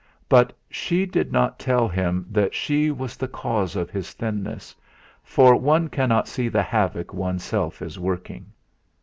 But she did not tell him that she was the a cause of his thinness for one cannot see the havoc oneself is working.